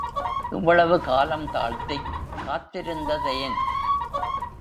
இவ்வளவு காலம் தாழ்த்திக் காத்திருந்ததேன்?